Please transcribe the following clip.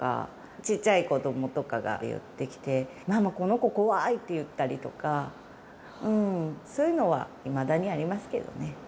ちっちゃい子どもとかが寄ってきて、ママ、この子怖いって言ったりとか、そういうのはいまだにありますけどね。